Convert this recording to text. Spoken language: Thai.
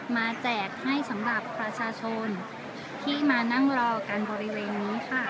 แจกให้สำหรับประชาชนที่มานั่งรอกันบริเวณนี้ค่ะ